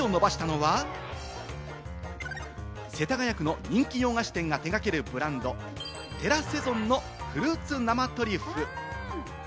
続いて手を伸ばしたのは、世田谷区の人気洋菓子店が手掛けるブランド・テラセゾンのフルーツ生トリュフ。